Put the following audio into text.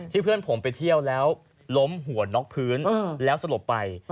เพื่อนผมไปเที่ยวแล้วล้มหัวน็อกพื้นแล้วสลบไป